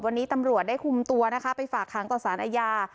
วันนี้ตำรวจได้คุมตัวนะคะไปฝากค้างต่อสารอาญา